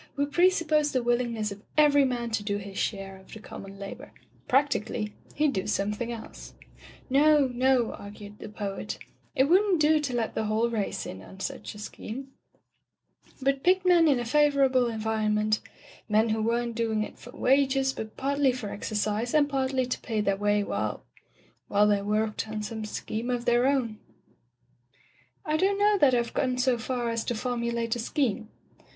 We pre suppose the willingness of every man to do his share of the common labor. Practically, heM do something else." "No — no —" argued the poet, "it wouldn't do to let the whole race in on such a scheme, but picked men in a favorable environment — ^men who weren't doing it for wages, but pardy for exercise and partly to pay their way while — ^while they worked on some scheme of their own " "I don't know that I've gone so far as to formulate a scheme."